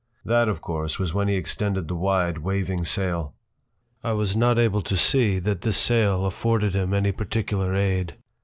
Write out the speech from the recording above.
That, of course, was when he extended the wide, waving sail. I was not able to see that this sail afforded him any particular aid.